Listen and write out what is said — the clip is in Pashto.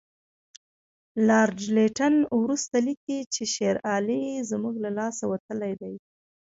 لارډ لیټن وروسته لیکي چې شېر علي زموږ له لاسه وتلی دی.